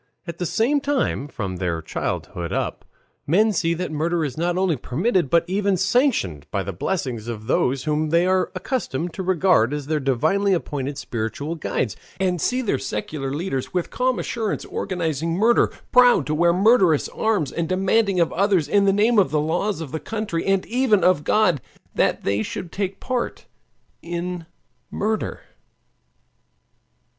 At the same time from their childhood up men see that murder is not only permitted, but even sanctioned by the blessing of those whom they are accustomed to regard as their divinely appointed spiritual guides, and see their secular leaders with calm assurance organizing murder, proud to wear murderous arms, and demanding of others in the name of the laws of the country, and even of God, that they should take part in murder.